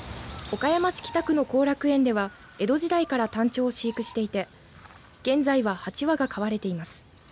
岡山市北区の後楽園では江戸時代からタンチョウを飼育していて現在は８羽が飼われています。